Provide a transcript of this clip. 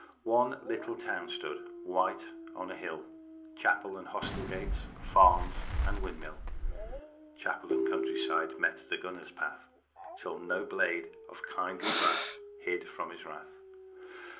One little town stood, white on a hill, Chapel and hostel gates, farms and windmill, Chapel and countryside met the gunner's path, Till no blade of kindly grass hid from his wrath.